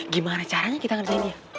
gimana caranya kita kerjain dia